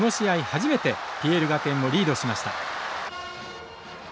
初めてＰＬ学園をリードしました。